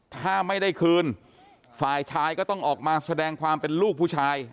ถ้าไม่ได้คืนฝ่ายชายก็ต้องออกมาแสดงความเป็นลูกผู้ชาย